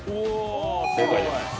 正解です。